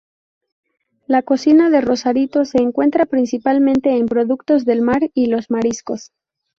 La cocina de Rosarito se centra principalmente en productos del mar y los mariscos.